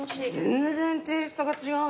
全然テイストが違う。